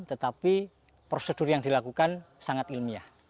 tetapi prosedur yang dilakukan sangat ilmiah